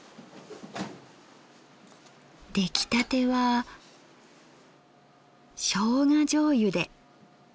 出来たてはしょうがじょうゆで。